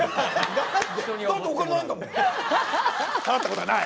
払ったことがない？